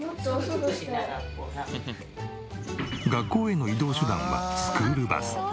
学校への移動手段はスクールバス。